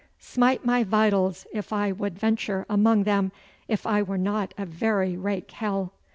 Smite my vitals if I would venture among them if I were not a very rake hell.